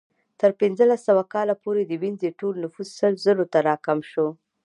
تر پنځلس سوه کال پورې د وینز ټول نفوس سل زرو ته راکم شو